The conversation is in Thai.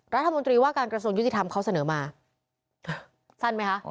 รัฐมนตรีว่าการกระทรวงยุติธรรมเขาเสนอมาสั้นไหมคะ